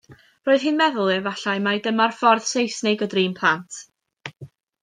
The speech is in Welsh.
Roedd hi'n meddwl efallai mae dyma'r ffordd Seisnig o drin plant.